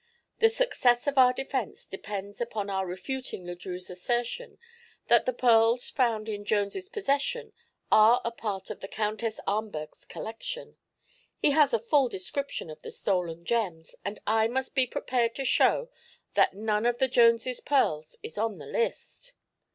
The success of our defense depends upon our refuting Le Drieux's assertion that the pearls found in Jones' possession are a part of the Countess Ahmberg's collection. He has a full description of the stolen gems and I must be prepared to show that none of the Jones' pearls is on the list."